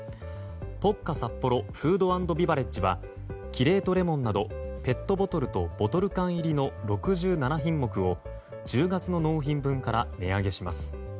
ポッカサッポロフード＆ビバレッジはキレートレモンなどペットボトルとボトル缶入りの６７品目を１０月の納品分から値上げします。